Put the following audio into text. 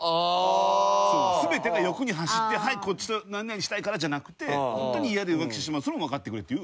全てが欲に走ってはいこっちと何々したいからじゃなくてホントに嫌で浮気してしまうそれもわかってくれという。